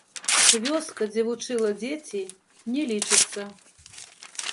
Вёска, дзе вучыла дзеці, не лічыцца.